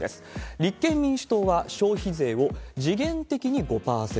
立憲民主党は消費税を時限的に５％。